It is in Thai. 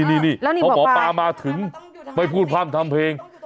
นี่พอหมอปลามาถึงไม่พูดพร่ำทำเพลง